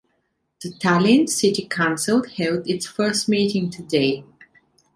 The Tallinn City Council held its first meeting today.